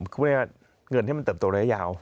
คือบอกได้ไหมคือเงินที่มันเติบตัวระยะยาว